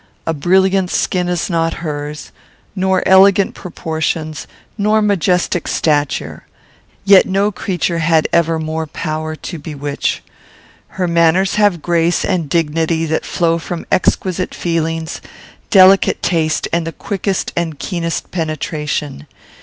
A brilliant skin is not hers; nor elegant proportions; nor majestic stature: yet no creature had ever more power to bewitch. Her manners have grace and dignity that flow from exquisite feelings, delicate taste, and the quickest and keenest penetration.